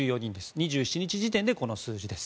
２７日時点でこの数字です。